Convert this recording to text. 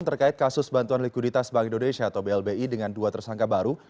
terkait kasus bantuan likuiditas bank indonesia atau blbi dengan dua tersangka baru